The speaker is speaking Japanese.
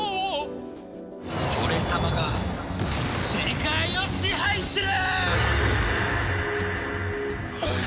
俺様が世界を支配する！